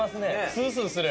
スースーする！